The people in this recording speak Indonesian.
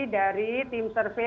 dari tim survei